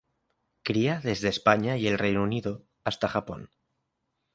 Cría desde España y el Reino Unido hasta Japón.